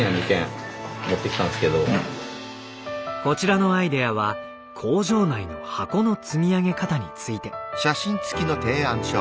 こちらのアイデアは工場内の箱の積み上げ方について。